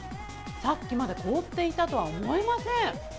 さっきまで凍っていたとは思えません。